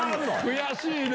悔しいね！